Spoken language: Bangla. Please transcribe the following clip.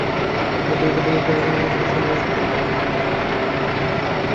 হয়তো এ পথেই মেকি আরব বসন্তের বদলে সত্যিকার আরব জাগরণ ঘটবে।